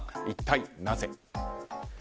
一体なぜ。